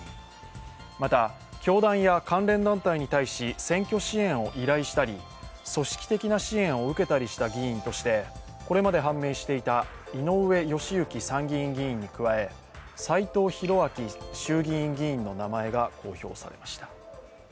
また、教団や関連団体に対し選挙支援を依頼したり組織的な支援を受けたりした議員として、これまで判明していた井上義行参院議員に加え斎藤洋明衆院議員の名前が公表されました。